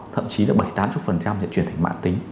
thậm chí là bảy tám mươi sẽ chuyển thành mạng tính